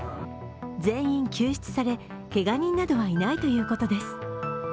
全員救出され、けが人などはいないということです。